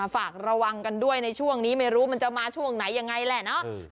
ฝากระวังกันด้วยในช่วงนี้ไม่รู้มันจะมาช่วงไหนยังไงแหละเนาะ